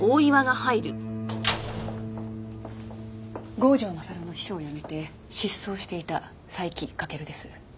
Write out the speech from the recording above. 郷城勝の秘書を辞めて失踪していた斉木翔です。